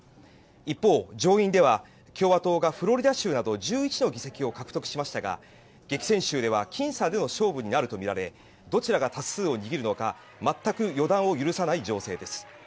一方、上院では共和党がフロリダ州など１１の議席を獲得しましたが激戦州ではきん差の勝負になるとみられどちらが多数の握るのか全く予断を許さない状況です。